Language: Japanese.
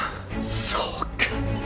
そうか。